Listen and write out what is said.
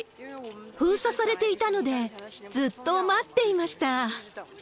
封鎖されていたので、ずっと待っていました。